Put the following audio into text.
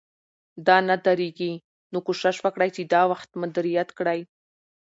دا نه درېږي، نو کوشش وکړئ چې دا وخت مدیریت کړئ